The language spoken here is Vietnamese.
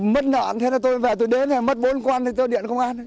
mất nợn thế là tôi về tôi đến mất bốn con thì tôi điện công an